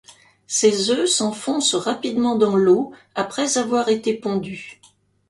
Ces œufs s'enfoncent rapidement dans l'eau après avoir été pondus.